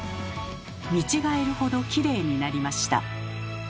見違えるほどきれいになりました。